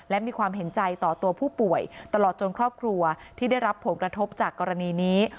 และมีความเห็นใจต่อตัวผู้ป่วยตลอดจนครอบครัวที่ได้รับผลกระทบจากกรณีนี้